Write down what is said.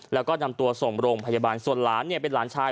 แล้วก็นำตัวส่งโรงพยาบาลส่วนหลานเนี่ยเป็นหลานชาย